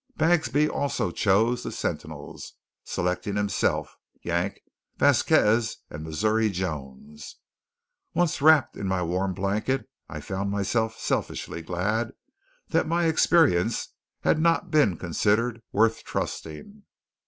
Bagsby also chose the sentinels, selecting himself, Yank, Vasquez, and Missouri Jones. Once wrapped in my warm blanket I found myself selfishly glad that my experience had not been considered worth trusting.